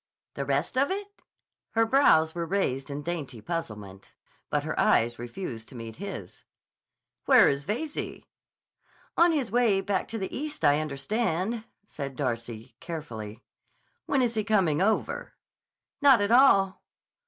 "The rest of it?" Her brows were raised in dainty puzzlement, but her eyes refused to meet his. "Where is Veyze?" "On his way back to the East, I understand," said Darcy carefully. "When is he coming over?" "Not at all."